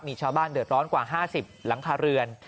มีชาวบ้านเดือดร้อนกว่า๕๐หลังคาเรือน